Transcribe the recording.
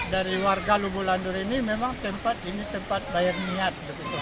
dari warga lubulandur ini memang tempat ini tempat bayar niat